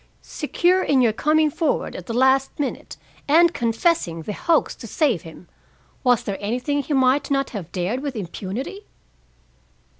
Secure in your coming forward at the last minute and confessing the hoax to save him, was there anything he might not have dared with impunity?"